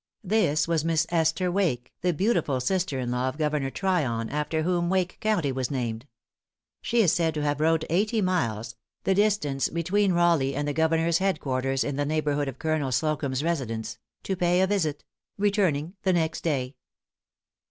This was Miss Esther Wake, the beautiful sister in law of Governor Tryon, after whom Wake County was named. She is said to have rode eighty miles the distance between Raleigh and the Governor's head quarters in the neighborhood of Colonel Slocumb's residence to pay a visit; returning the next day.